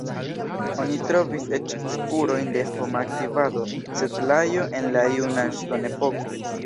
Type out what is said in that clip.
Oni trovis eĉ spurojn de homa aktivado, setlado en la juna ŝtonepoko.